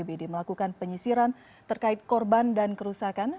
tim bpbd melakukan penyisiran terkait korban dan kerusakan